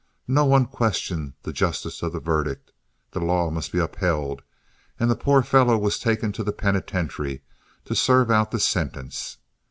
No one questioned the justice of the verdict, the law must be upheld, and the poor fellow was taken to the penitentiary to serve out the sentence.